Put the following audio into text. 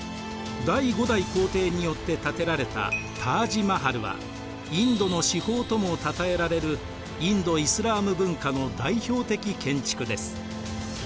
第５代皇帝によって建てられたタージ・マハルはインドの至宝ともたたえられるインド・イスラーム文化の代表的建築です。